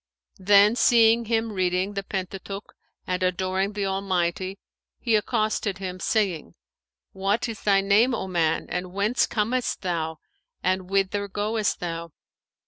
Then seeing him reading the Pentateuch and adoring the Almighty, he accosted him saying, 'What is thy name, O man; and whence comest thou and whither goest thou?'